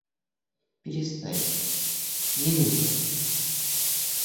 Перестаньте, не нужно!